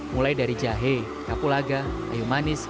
mulai dari jahe kapulaga ayu manis